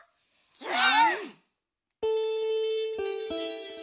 うん！